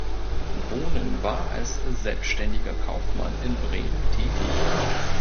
Bohnen war als selbstständiger Kaufmann in Bremen tätig.